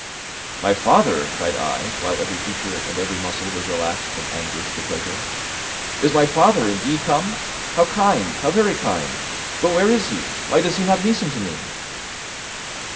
"My father!" cried I, while every feature and every muscle was relaxed from anguish to pleasure. "Is my father indeed come? How kind, how very kind! But where is he, why does he not hasten to me?"